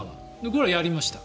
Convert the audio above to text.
これはやりました。